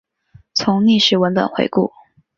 从历史文本回顾